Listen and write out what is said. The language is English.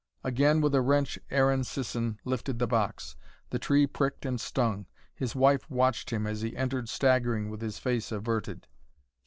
Again with a wrench Aaron Sisson lifted the box. The tree pricked and stung. His wife watched him as he entered staggering, with his face averted.